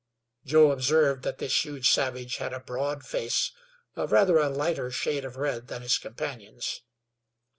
Joe observed that this huge savage had a broad face of rather a lighter shade of red than his companions.